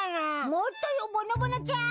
もっとよぼのぼのちゃん。